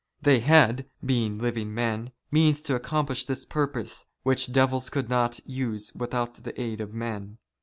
They had, being living men, means to accomplish this purpose, which devils could not use without the aid of men.